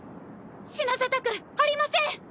死なせたくありません！